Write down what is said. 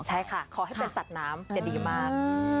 ใช่ค่ะขอให้เป็นสัตว์น้ำจะดีมาก